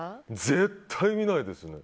絶対見ないですね。